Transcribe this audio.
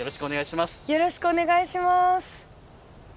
よろしくお願いします。